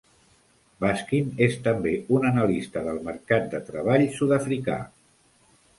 Baskin és també un analista del mercat de treball sud-africà.